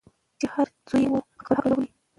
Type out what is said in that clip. چي هر څو یې وو خپل عقل ځغلولی